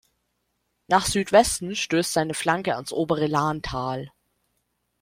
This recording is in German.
Nach Südwesten stößt seine Flanke ans Obere Lahntal.